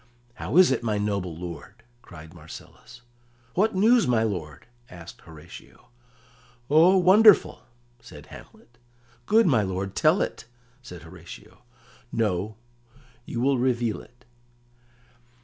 "How is it, my noble lord?" cried Marcellus. "What news, my lord?" asked Horatio. "Oh, wonderful!" said Hamlet. "Good my lord, tell it," said Horatio. "No; you will reveal it."